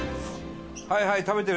はいはい食べてる？